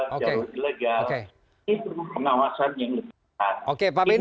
ini perlu pengawasan yang lebih penting